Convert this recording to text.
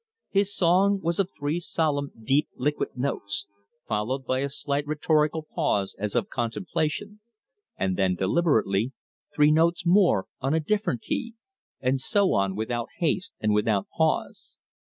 His song was of three solemn deep liquid notes; followed by a slight rhetorical pause as of contemplation; and then, deliberately, three notes more on a different key and so on without haste and without pause.